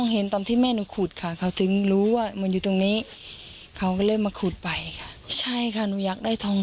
คุณแม่ขูดอยู่คนเดียวแต่ว่าไม่ได้มองอันไหนค่ะ